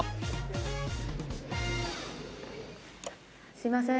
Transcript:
すいません。